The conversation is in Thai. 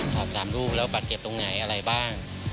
ถาม๓ลูกแล้วบาดเจ็บตรงไหนอะไรบ้าง